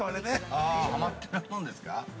◆あはまってるもんですか。